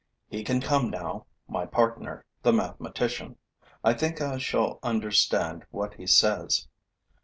He can come now, my partner, the mathematician: I think I shall understand what he says.